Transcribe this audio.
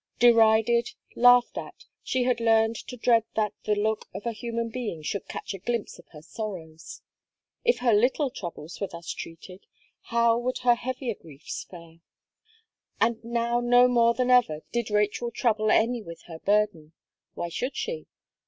Derided, laughed at, she had learned to dread that the look of a human being should catch a glimpse of her sorrows. If her little troubles were thus treated how would her heavier griefs fare? And now no more than ever did Rachel trouble any with her burden. Why should she?